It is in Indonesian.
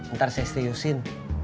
ntar saya setiusin